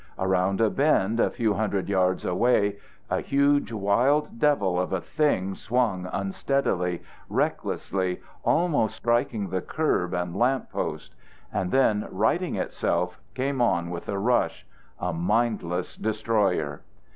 Around a bend a few hundred yards away a huge wild devil of a thing swung unsteadily, recklessly, almost striking the curb and lamp post; and then, righting itself, it came on with a rush a mindless destroyer.